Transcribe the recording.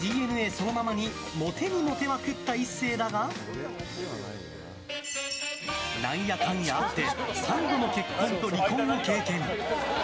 そのままにモテにモテまくった壱成だが何やかんやあって３度の結婚と離婚を経験。